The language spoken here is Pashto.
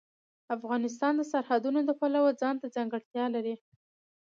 افغانستان د سرحدونه د پلوه ځانته ځانګړتیا لري.